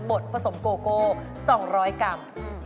ดผสมโกโก้๒๐๐กรัม